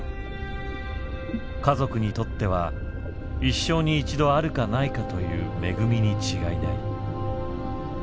家族にとっては一生に一度あるかないかという恵みに違いない。